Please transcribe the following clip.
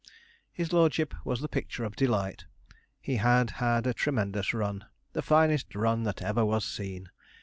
His lordship was the picture of delight. He had had a tremendous run the finest run that ever was seen!